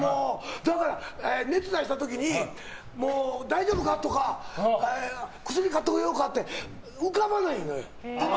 だから、熱を出した時に大丈夫かとか薬、買ってこようかって浮かばないのよ。